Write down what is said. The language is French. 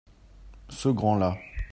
Ce grand-là.